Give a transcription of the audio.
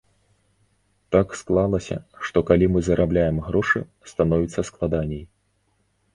Так склалася, што, калі мы зарабляем грошы, становіцца складаней.